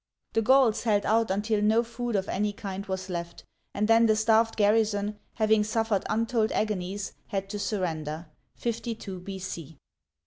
The Gauls held out until no food of any kind was left, and then the starved garrison, having suffered untold agonies, had to surrender (52 B.C.).